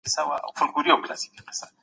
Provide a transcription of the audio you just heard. تاسي کله د سرلوړي مانا درک کړه؟